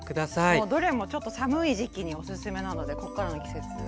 もうどれもちょっと寒い時期におすすめなのでこっからの季節おすすめです。